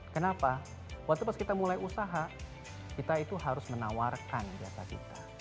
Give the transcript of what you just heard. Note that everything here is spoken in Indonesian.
kenapa waktu pas kita mulai usaha kita itu harus menawarkan jasa cita